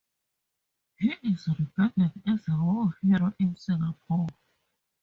He is regarded as a war hero in Singapore.